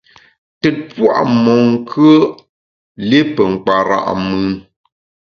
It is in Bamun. Tùt pua’ monkùe’, li pe nkpara’ mùn.